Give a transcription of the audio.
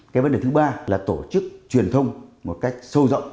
cái vấn đề thứ ba là tổ chức truyền thông một cách sâu rộng